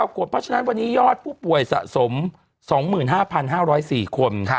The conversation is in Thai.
กว่าเพราะฉะนั้นวันนี้ยอดผู้ป่วยสะสม๒๕๕๐๔คน